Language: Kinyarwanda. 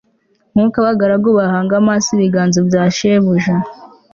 nk'uko abagaragu bahanga amaso ibiganza bya shebuja